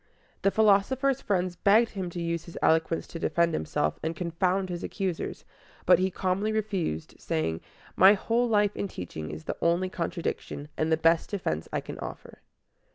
The philosopher's friends begged him to use his eloquence to defend himself and confound his accusers; but he calmly refused, saying, "My whole life and teaching is the only contradiction, and the best defense I can offer."